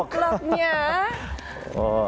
nah ini pengantinnya